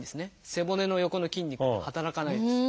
背骨の横の筋肉働かないです。